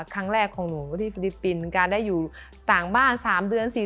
ครั้งแรกของหนูก็ที่ฟรีปินการได้อยู่ต่างบ้างสามเดือนสี่